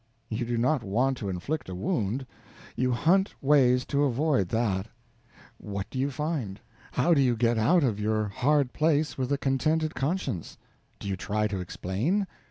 You do not want to inflict a wound; you hunt ways to avoid that. What do you find? How do you get out of your hard place with a content conscience? Do you try to explain?